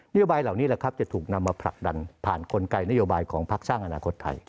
โยบายเหล่านี้แหละครับจะถูกนำมาผลักดันผ่านกลไกนโยบายของพักสร้างอนาคตไทย